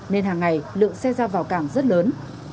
nên hàng ngày lượng xe ra vào cảng rất lớn